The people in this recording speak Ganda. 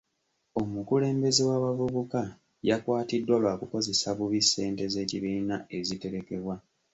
Omukulembeze w'abavubuka yakwatiddwa lwa kukozesa bubi ssente z'ekibiina eziterekebwa.